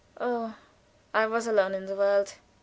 "Oh, I was alone in the world.